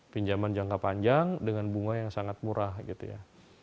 pinjaman jangka panjang dengan bunga yang sangat murah gitu ya